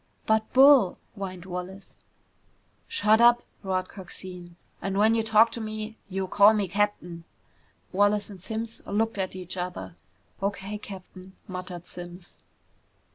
"But, Bull !" whined Wallace. "Shut up!" roared Coxine. "And when you talk to me, you call me captain!" Wallace and Simms looked at each other. "O.K., Captain," muttered Simms.